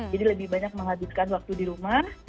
jadi lebih banyak menghabiskan waktu di rumah